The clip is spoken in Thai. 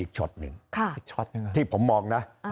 อีกช็อตหนึ่งอีกช็อตหนึ่งค่ะอีกช็อตหนึ่งค่ะที่ผมมองน่ะอ่า